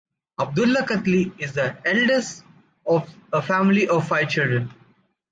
Abdullah Çatlı is the eldest of a family of five children.